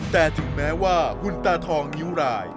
แต่ถึงแม้ว่าคุณตาทองนิ้วราย